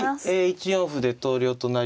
１四歩で投了となりました。